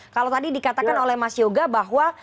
kalau tadi dikatakan oleh mas yoga bahwa